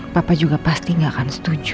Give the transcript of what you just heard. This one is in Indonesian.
papa juga pasti gak akan setuju